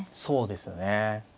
そうですね。